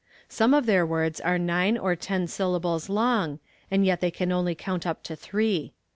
Some of their words are nine or ten syllables long, and yet they can only count up to three.